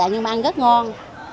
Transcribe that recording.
nhưng mà ăn rất ngon